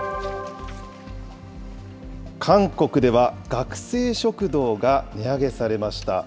韓国では、学生食堂が値上げされました。